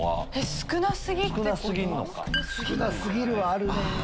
「少な過ぎる」はあるね。